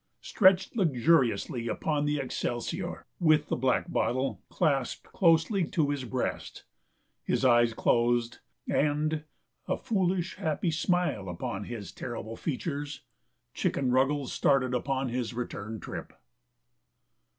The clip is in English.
Stretched luxuriously upon the excelsior, with the black bottle clasped closely to his breast, his eyes closed, and a foolish, happy smile upon his terrible features Chicken Ruggles started upon his return trip.